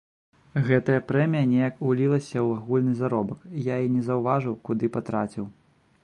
Гэтая прэмія неяк улілася ў агульны заробак, я і не заўважыў, куды патраціў.